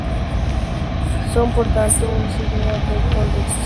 Son, por tanto, un signo de condensación.